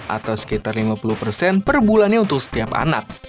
atau sekitar lima puluh persen per bulannya untuk setiap anak